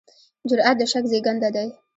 جرئت د شک زېږنده دی.